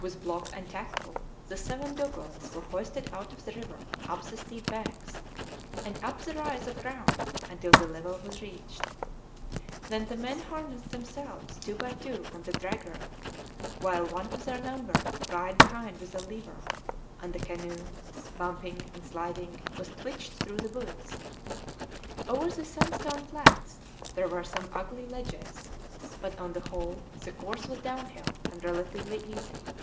With block and tackle the seven dugouts were hoisted out of the river up the steep banks, and up the rise of ground until the level was reached. Then the men harnessed themselves two by two on the drag rope, while one of their number pried behind with a lever, and the canoe, bumping and sliding, was twitched through the woods. Over the sandstone flats there were some ugly ledges, but on the whole the course was down hill and relatively easy.